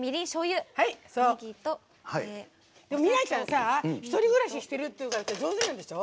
美波ちゃん１人暮らししてるっていうから上手なんでしょ。